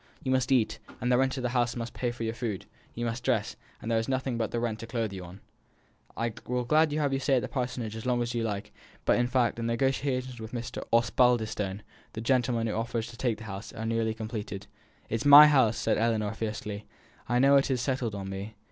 You must eat, and the rent of this house must pay for your food; you must dress, and there is nothing but the rent to clothe you. I will gladly have you to stay at the Parsonage as long as ever you like; but, in fact, the negotiations with Mr. Osbaldistone, the gentleman who offers to take the house, are nearly completed " "It is my house!" said Ellinor, fiercely. "I know it is settled on me."